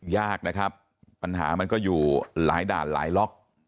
ยากนะครับปัญหามันก็อยู่หลายด่านหลายล็อก